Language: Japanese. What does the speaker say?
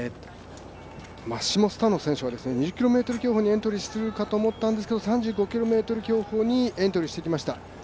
その選手は２０ｋｍにエントリーしているかと思ったんですけど３５ｋｍ競歩にエントリーしてきました。